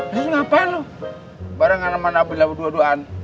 terus ngapain lo bareng sama nabilah berdua duaan